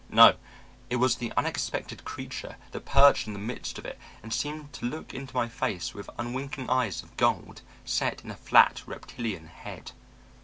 No. It was the unexpected creature that perched in the midst of it and seemed to look into my face with unwinking eyes of gold set in a flat reptilian head.